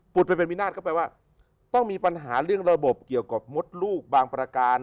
ไปเป็นวินาศก็แปลว่าต้องมีปัญหาเรื่องระบบเกี่ยวกับมดลูกบางประการ